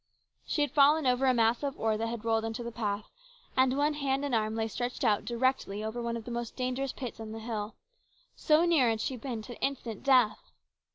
She had fallen over a mass of ore that had rolled into the path, and one hand and arm lay stretched out directly over one of the most dangerous pits on the hill. So near had she been to instant death